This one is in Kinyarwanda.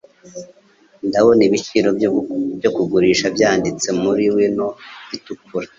Ndabona ibiciro byo kugurisha byanditse muri wino itukura.